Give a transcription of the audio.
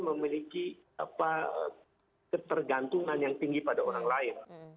memiliki ketergantungan yang tinggi pada orang lain